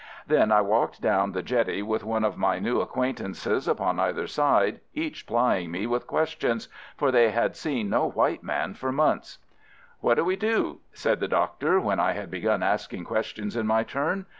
Then I walked down the jetty with one of my new acquaintances upon either side, each plying me with questions, for they had seen no white man for months. "What do we do?" said the Doctor, when I had begun asking questions in my turn.